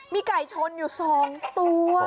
มีไก่ชนอยู่๒ตัว